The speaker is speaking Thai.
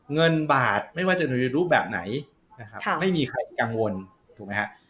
เงินบาทไม่ว่าจะอยู่ในรูปแบบไหนนะครับไม่มีใครกังวลถูกไหมฮะ